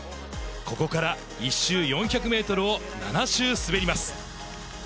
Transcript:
ここから１周４００メートルを７周滑ります。